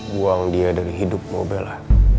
buang dia dari hidupmu bella